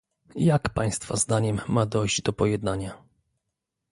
Jak Państwa zdaniem ma dojść do pojednania?